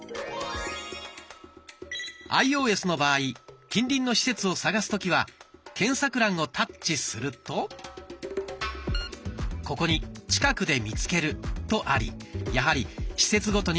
アイオーエスの場合近隣の施設を探す時は検索欄をタッチするとここに「近くで見つける」とありやはり施設ごとに分類されています。